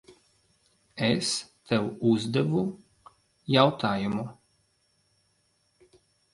Es tev uzdevu jautājumu.